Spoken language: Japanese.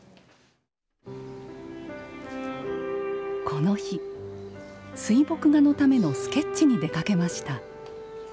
この日水墨画のためのスケッチに出かけました。